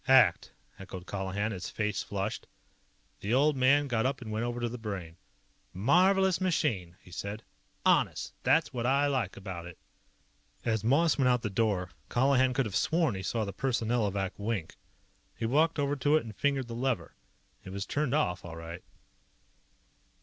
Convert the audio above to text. "ACT!" echoed Colihan, his face flushed. The old man got up and went over to the Brain. "Marvelous machine," he said. "Honest. That's what I like about it." As Moss went out the door, Colihan could have sworn he saw the Personnelovac wink. He walked over to it and fingered the lever. It was turned off, all right.